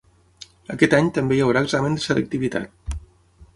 Aquest any també hi haurà examen de selectivitat